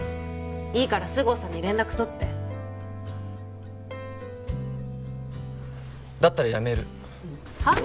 いいから菅生さんに連絡取ってだったら辞めるはっ？